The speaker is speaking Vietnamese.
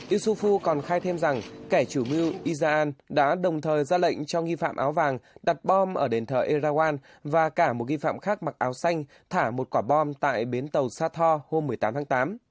isufu còn khai thêm rằng kẻ chủ mưu izan đã đồng thời ra lệnh cho nghi phạm áo vàng đặt bom ở đền thờ éraguan và cả một nghi phạm khác mặc áo xanh thả một quả bom tại bến tàu sathore hôm một mươi tám tháng tám